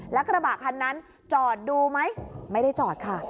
แล้วกระบะคันนั้นจอดดูไหมไม่ได้จอดค่ะ